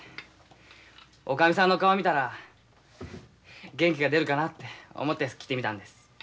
女将さんの顔見たら元気が出るかなって思って来てみたんです。